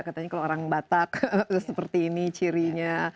katanya kalau orang batak seperti ini cirinya